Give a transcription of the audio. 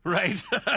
ハハハハ！